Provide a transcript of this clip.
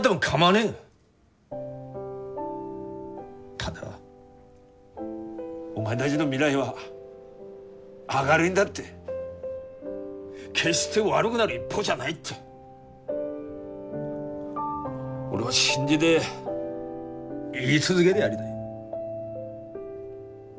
ただお前だぢの未来は明るいんだって決して悪ぐなる一方じゃないって俺は信じで言い続げでやりたい。